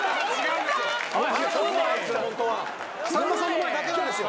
さんまさんの前だけなんですよ。